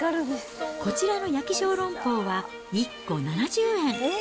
こちらの焼き小籠包は、１個７０円。